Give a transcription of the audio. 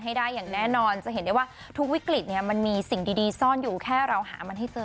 ให้ได้อย่างแน่นอนจะเห็นได้ว่าทุกวิกฤตเนี่ยมันมีสิ่งดีซ่อนอยู่แค่เราหามันให้เจอ